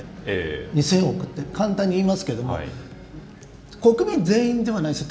２０００億って簡単にいいますけど国民全員ではないですよね。